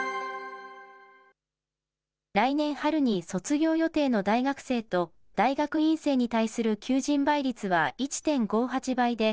来年春に卒業予定の大学生と、大学院生に対する求人倍率は１．５８倍で、